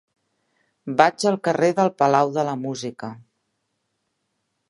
Vaig al carrer del Palau de la Música.